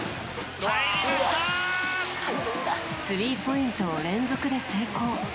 スリーポイントを連続で成功。